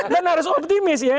dan harus optimis ya